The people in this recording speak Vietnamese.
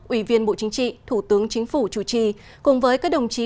ủy viên bộ chính trị thủ tướng chính phủ chủ trì cùng với các đồng chí